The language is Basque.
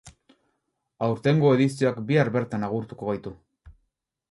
Aurtengo edizioak bihar bertan agurtuko gaitu.